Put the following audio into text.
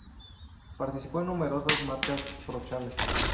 Participó en numerosas marchas pro-Chávez.